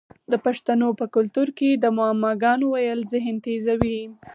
د پښتنو په کلتور کې د معما ګانو ویل ذهن تیزوي.